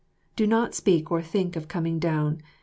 Do not speak or think of coming down.